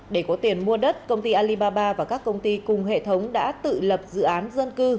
để có tiền mua đất công ty alibaba và các công ty cùng hệ thống đã tự lập dự án dân cư